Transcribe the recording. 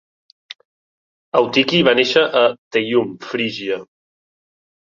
Eutiqui va néixer a Theium, Frígia.